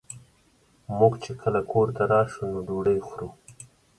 مونږ چې کله کور ته راشو نو ډوډۍ خورو